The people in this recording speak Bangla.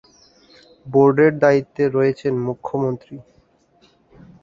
বোর্ডের দায়িত্বে রয়েছেন মুখ্যমন্ত্রী।